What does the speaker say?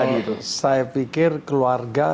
kalau saya pikir keluarga